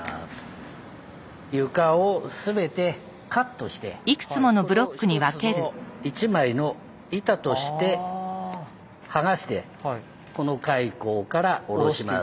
床を全てカットしてこれを一つの一枚の板として剥がしてこの開口から下ろします。